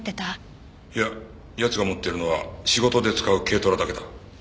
いや奴が持ってるのは仕事で使う軽トラだけだ。